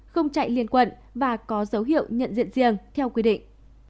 không chạy liên quận và có dấu hiệu nhận diện riêng theo quy định